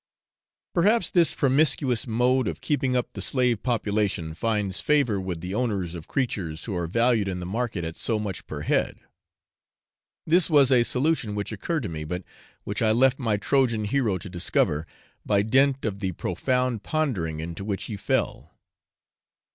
Perhaps this promiscuous mode of keeping up the slave population finds favour with the owners of creatures who are valued in the market at so much per head. This was a solution which occurred to me, but which I left my Trojan hero to discover, by dint of the profound pondering into which he fell.